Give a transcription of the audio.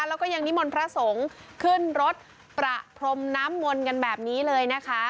แล้วก็ยังนิมนต์พระสงฆ์ขึ้นรถประพรมน้ำมนต์กันแบบนี้เลยนะคะ